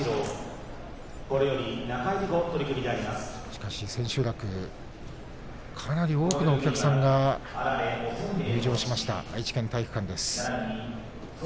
しかし、千秋楽かなり多くのお客さんが入場しました、愛知県体育館です。